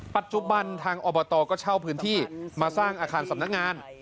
ปัจจุบันทางอบตก็เช่าพื้นที่มาสร้างอาคารสำนักงาน